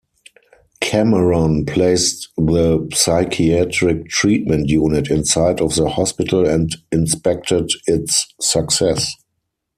Cameron placed the psychiatric treatment unit inside of the hospital and inspected its success.